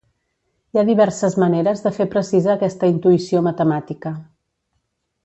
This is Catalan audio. Hi ha diverses maneres de fer precisa aquesta intuïció matemàtica.